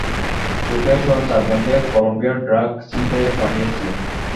তোকে সহ চারজনকে কলম্বিয়ার ড্রাগ ছিনতাইয়ে পাঠিয়েছি।